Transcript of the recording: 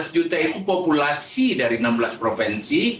lima belas juta itu populasi dari enam belas provinsi